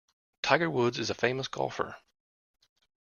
Tiger Woods is a famous golfer.